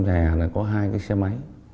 khả năng vượt lại là